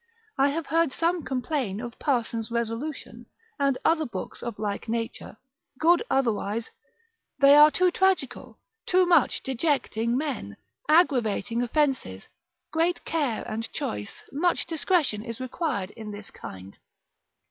I have heard some complain of Parson's Resolution, and other books of like nature (good otherwise), they are too tragical, too much dejecting men, aggravating offences: great care and choice, much discretion is required in this kind.